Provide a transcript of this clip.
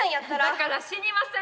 だから死にませんって！